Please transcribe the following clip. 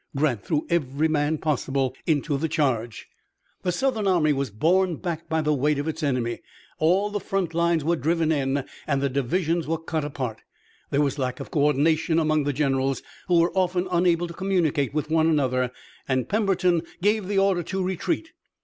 Grant threw every man possible into the charge. The Southern army was borne back by the weight of its enemy. All of the front lines were driven in and the divisions were cut apart. There was lack of coordination among the generals, who were often unable to communicate with one another, and Pemberton gave the order to retreat.